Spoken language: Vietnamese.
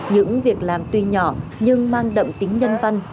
những việc làm tuy nhỏ nhưng mang đậm tính nhân văn